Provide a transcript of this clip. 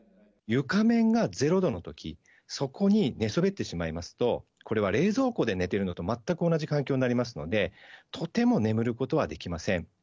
床面が０度のとき、そこに寝そべってしまいますと、これは冷蔵庫で寝てるのと全く同じ環境になりますので、とても眠ることはできません。